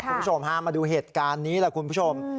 คุณผู้ชมฮะมาดูเหตุการณ์นี้ล่ะคุณผู้ชม